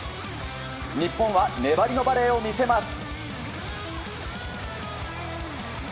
日本は粘りのバレーを見せます。